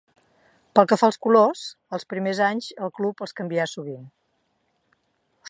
Pel que fa als colors, els primers anys el club els canvià sovint.